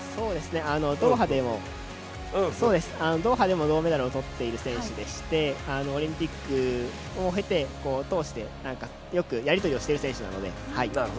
ドーハでも銅メダルを取っている選手でしてオリンピックを通してよくやり取りをしている選手なので。